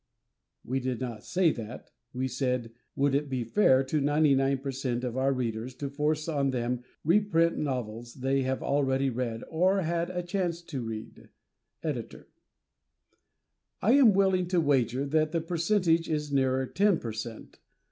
[We did not say that. We said: "Would it be fair to 99 per cent of our Readers to force on them reprint novels they have already read, or had a chance to read?" Ed.] I am willing to wager that the percentage is nearer 10 per cent.